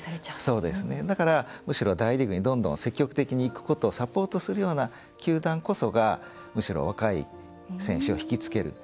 だから、むしろ、大リーグにどんどん積極的に行くことをサポートする球団こそがむしろ、若い選手を引き付ける。